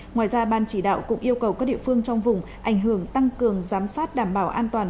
ngoài ra ban chỉ đạo cũng yêu cầu các địa phương trong vùng ảnh hưởng tăng cường giám sát đảm bảo an toàn